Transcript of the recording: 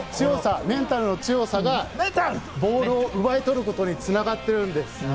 ハートの強さ、メンタルの強さがボールを奪い取ることに繋がっているんです。